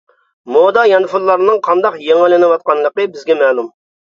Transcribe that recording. مودا يانفونلارنىڭ قانداق يېڭىلىنىۋاتقانلىقى بىزگە مەلۇم.